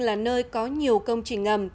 là nơi có nhiều công trình ngầm